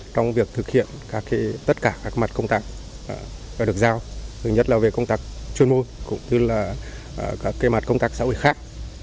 trong việc thực hiện tất cả các mặt công tác được giao thứ nhất là về công tác chuyên môn cũng như là các mặt công tác xã hội khác